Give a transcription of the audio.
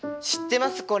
知ってます